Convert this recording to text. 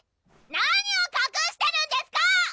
何をかくしてるんですか！